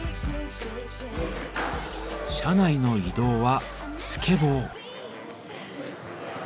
車内の移動はスケボー。